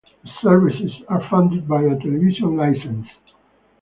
The services are funded by a television licence.